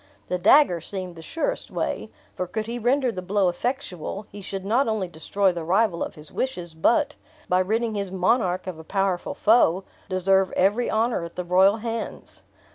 The dagger seemed the surest way; for could he render the blow effectual, he should not only destroy the rival of his wishes, but, by ridding his monarch of a powerful foe, deserve every honor at the royal hands.